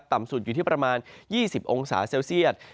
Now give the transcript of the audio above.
ต่ำสุดอยู่ที่ประมาณ๒๐องศาเซลเซียต